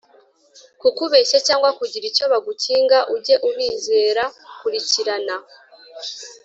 kukubeshya cyangwa kugira icyo bagukinga Uge ubizera Kurikirana